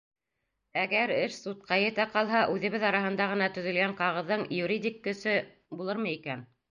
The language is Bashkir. Әгәр эш судҡа етә ҡалһа, үҙебеҙ араһында ғына төҙөлгән ҡағыҙҙың юридик көсө булырмы икән?